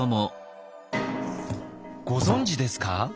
ご存じですか？